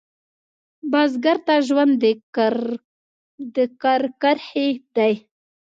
بزګر ته ژوند د کر کرښې دي